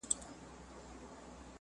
بهرنۍ پالیسي د شخړو دوام نه غواړي.